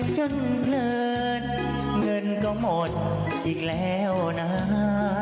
ก่อนที่จะก่อเหตุนี้นะฮะไปดูนะฮะสิ่งที่เขาได้ทิ้งเอาไว้นะครับ